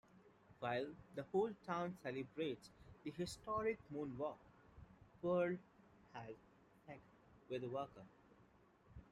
While the whole town celebrates the historic moonwalk, Pearl has sex with Walker.